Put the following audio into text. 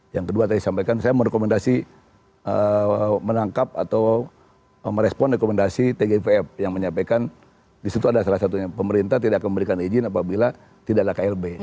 yang kedua tadi sampaikan saya merekomendasi menangkap atau merespon rekomendasi tgipf yang menyampaikan disitu ada salah satunya pemerintah tidak akan memberikan izin apabila tidak ada klb